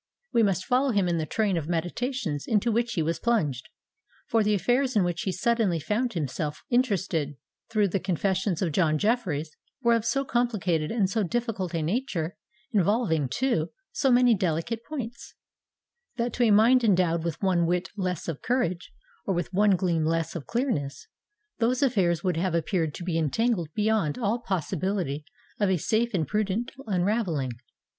We must follow him in the train of meditations into which he was plunged; for the affairs in which he suddenly found himself interested, through the confessions of John Jeffreys, were of so complicated and so difficult a nature,—involving, too, so many delicate points,—that to a mind endowed with one whit less of courage, or with one gleam less of clearness, those affairs would have appeared to be entangled beyond all possibility of a safe and prudent unravelling.